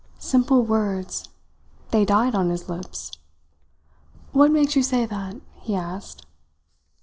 Simple words! They died on his lips. "What makes you say that?" he asked.